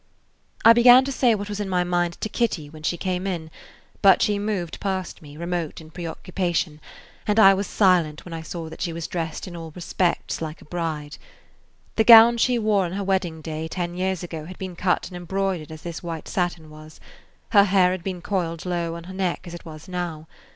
I began to say what was in my mind to Kitty when she came in, but she moved [Page 49] past me, remote in preoccupation, and I was silent when I saw that she was dressed in all respects like a bride. The gown she wore on her wedding day ten years ago had been cut and embroidered as this white satin was; her hair had been coiled low on her neck, as it was now.